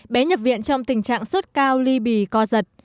bé nhập viện trong tình trạng sốt cao ly bì co giật